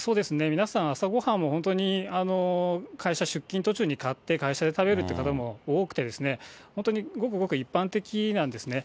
皆さん、朝ごはんも本当に、会社出勤途中に買って、会社で食べるという方も多くて、本当に、ごくごく一般的なんですね。